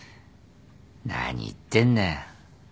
何言ってんだよ。